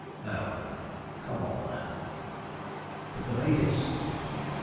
Now, come on." "But the ladies?"